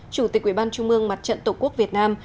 chủ tịch quy bàn trung mương mặt trận tổ quốc việt nam